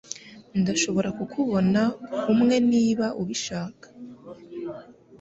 Ndashobora kukubona umwe niba ubishaka